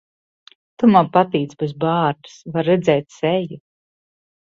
Tu man patīc bez bārdas. Var redzēt seju.